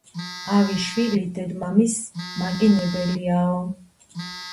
ავი შვილი დედმამისს მაგინებელიაო.